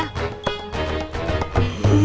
ketua ketua di mana